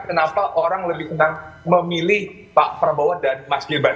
kenapa orang lebih senang memilih pak prabowo dan mas gibran